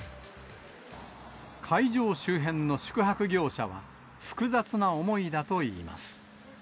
会場周辺の宿泊業者は、複雑な思いだといいます。